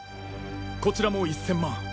こちらも１０００万。